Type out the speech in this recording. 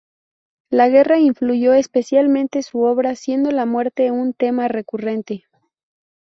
La guerra influyó especialmente su obra, siendo la muerte un tema recurrente.